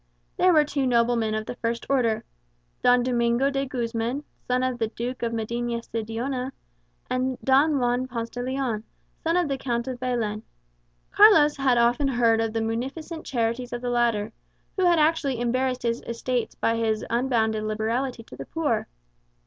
There were two noblemen of the first order Don Domingo de Guzman, son of the Duke of Medina Sidonia, and Don Juan Ponce de Leon, son of the Count of Baylen. Carlos had often heard of the munificent charities of the latter, who had actually embarrassed his estates by his unbounded liberality to the poor.